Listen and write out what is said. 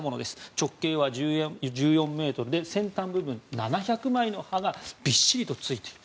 直径は１４ｍで先端部分に７００枚の刃がびっしりついていると。